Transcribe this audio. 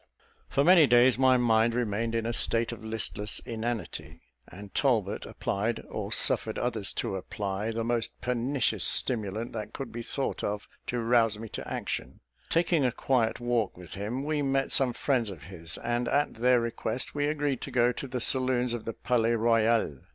For many days my mind remained in a state, of listless inanity; and Talbot applied, or suffered others to apply, the most pernicious stimulant that could be thought of to rouse me to action. Taking a quiet walk with him, we met some friends of his; and, at their request, we agreed to go to the saloons of the Palais Royal.